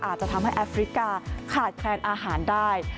อาจจะทำให้แอฟริกาขาดแคลนอาหารได้